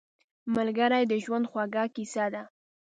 ملګری د ژوند خوږه کیسه ده